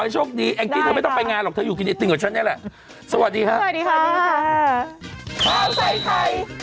ชอบกว่าใครใหม่กว่าเดิมเข้าเวลา